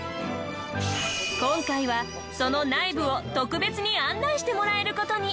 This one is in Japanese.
今回はその内部を特別に案内してもらえる事に。